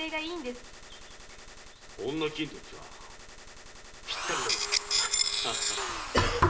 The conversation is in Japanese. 「女金時」かぴったりだな。